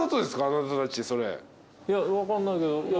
いや分かんないけど。